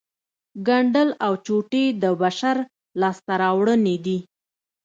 ګنډل او چوټې د بشر لاسته راوړنې دي